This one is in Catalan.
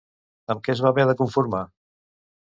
Amb què es va haver de conformar?